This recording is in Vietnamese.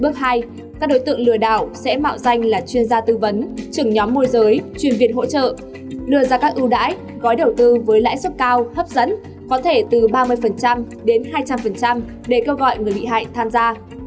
các đối tượng lừa đảo sẽ mạo danh là chuyên gia tư vấn trưởng nhóm môi giới chuyên viên hỗ trợ đưa ra các ưu đãi gói đầu tư với lãi suất cao hấp dẫn có thể từ ba mươi đến hai trăm linh để kêu gọi người bị hại tham gia